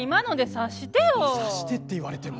察してって言われても。